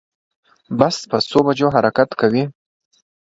بس په څو بجو حرکت کوی